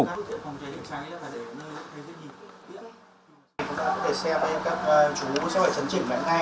chúng ta có thể xem các chú sẽ phải chấn chỉnh ngay